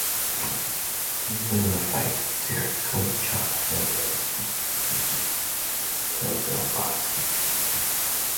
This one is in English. He was in the Chicago Youth Orchestra and the Civic Orchestra.